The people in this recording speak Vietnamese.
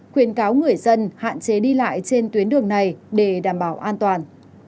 khuyên cáo người dân hạn chế đi lại trên tuyến đường này để đảm bảo an toàn